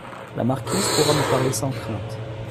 La marquise pourra me parler sans crainte.